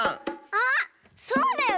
あっそうだよ！